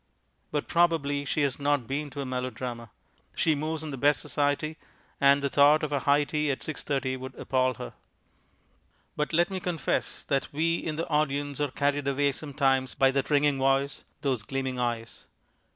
But probably she has not been to a melodrama. She moves in the best society, and the thought of a high tea at 6.30 would appal her. But let me confess that we in the audience are carried away sometimes by that ringing voice, those gleaming eyes.